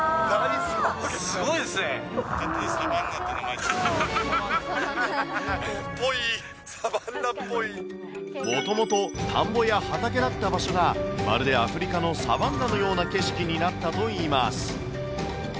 付けぽい、もともと田んぼや畑だった場所が、まるでアフリカのサバンナのような景色になったといいます。